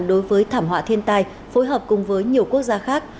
đối với thảm họa thiên tai phối hợp cùng với nhiều quốc gia khác